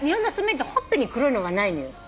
ほっぺに黒いのがないのよ。